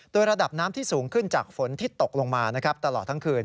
โดยระดับน้ำที่สูงขึ้นจากฝนที่ตกลงมาตลอดทั้งคืน